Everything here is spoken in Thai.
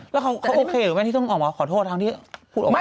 แล้วเขาโอเคหรือไม่ที่ต้องออกมาขอโทษทางที่พูดออกมา